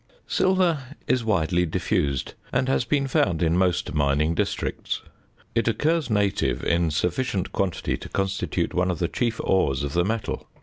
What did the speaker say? Silver is widely diffused, and has been found in most mining districts. It occurs native in sufficient quantity to constitute one of the chief ores of the metal.